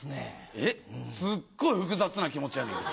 えっすっごい複雑な気持ちやねんけど。